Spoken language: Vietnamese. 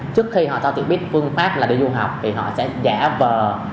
trước khi họ cho chị biết phương pháp đi du học thì họ sẽ giả vờ